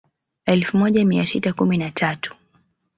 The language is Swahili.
Elfu moja mia sita kumi na tatu